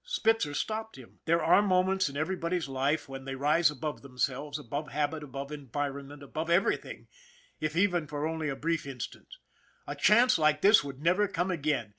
Spitzer stopped him. There are SPITZER 85 moments in everybody's life when they rise above themselves, above habit, above environment, above everything, if even for only a brief instant. A chance like this would never come again.